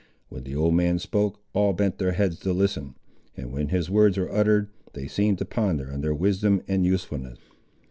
When the old man spoke, all bent their heads to listen; and when his words were uttered, they seemed to ponder on their wisdom and usefulness.